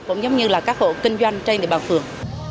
cũng như các hộ kinh doanh trên địa bàn phường